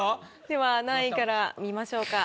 では何位から見ましょうか？